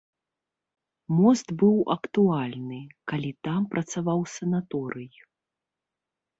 Мост быў актуальны, калі там працаваў санаторый.